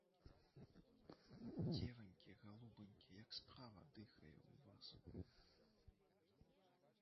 Дзеванькі, галубанькі, як справа дыхае ў вас?